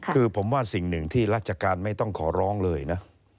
คือผมว่าสิ่งหนึ่งที่ราชการไม่ต้องขอร้องเลยนะ